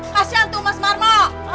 kasihan tuh mas marmo